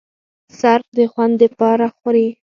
صرف د خوند د پاره خوري